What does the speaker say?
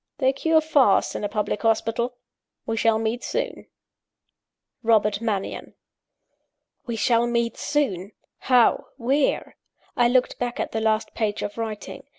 They cure fast in a public hospital: we shall meet soon! "ROBERT MANNION." "We shall meet soon!" How? Where? I looked back at the last page of writing.